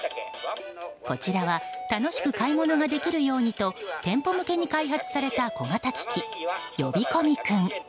こちらは楽しく買い物ができるようにと店舗向けに開発された小型機器呼び込み君。